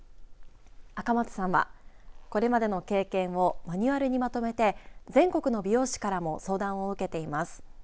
赤松さんはこれまでの経験をマニュアルにまとめて全国の美容師からも相談を受けています。